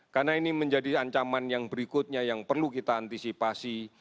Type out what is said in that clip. karena ini menjadi ancaman yang berikutnya yang perlu kita antisipasi